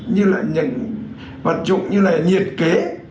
như là những vật dụng như là nhiệt kế